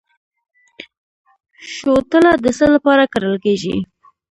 شوتله د څه لپاره کرل کیږي؟